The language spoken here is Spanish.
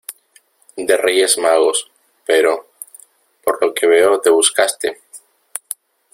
de Reyes Magos, pero... por lo que veo te buscaste